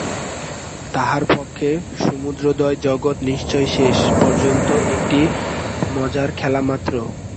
তাঁহার পক্ষে সমুদয় জগৎ নিশ্চয়ই শেষ পর্যন্ত একটি মজার খেলামাত্র।